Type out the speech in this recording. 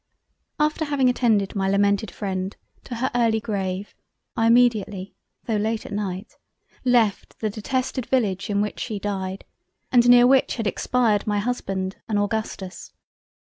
After having attended my lamented freind to her Early Grave, I immediately (tho' late at night) left the detested Village in which she died, and near which had expired my Husband and Augustus.